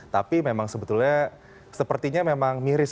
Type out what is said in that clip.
tapi memang sebetulnya sepertinya memang miris